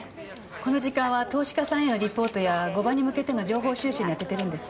この時間は投資家さんへのリポートや後場に向けての情報収集に当ててるんです。